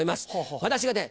私がね